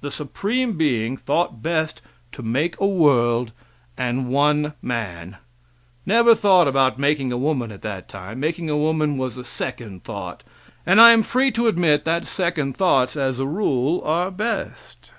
The supreme being thought best to make a world and one man never thought about making a woman at that time; making a woman was a second thought, and I am free to admit that second thoughts as a rule are best.